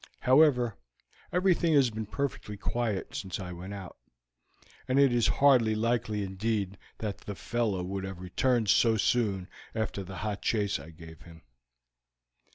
However, everything has been perfectly quiet since I went out, and it is hardly likely indeed that the fellow would have returned so soon after the hot chase I gave him."